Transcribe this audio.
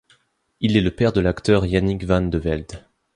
Il est le père de l'acteur Yannick van de Velde.